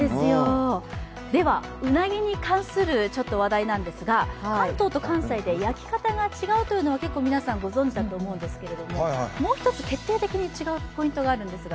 では、うなぎに関する話題なんですが、関東と関西で焼き方が違うというのは結構皆さんご存じだと思うんですがもう一つ、決定的に違うポイントがあるんですが。